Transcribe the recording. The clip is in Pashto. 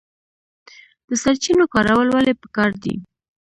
د سرچینو کارول ولې پکار دي؟